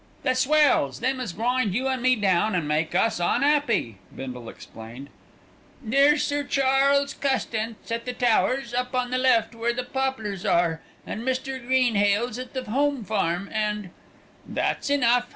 "The swells; them as grind you an' me down an' make us un'appy," Bindle explained. "There's Sir Charles Custance at The Towers, up on the left where the poplars are, and Mr. Greenhales at the Home Farm, and " "That's enough.